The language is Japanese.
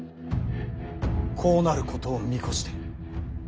こうなることを見越して。